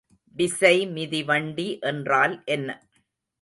விசைமிதிவண்டி என்றால் என்ன?